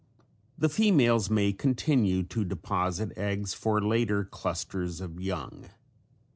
The females may continue to deposit eggs for later clusters of young.